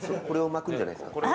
これを巻くんじゃないですか？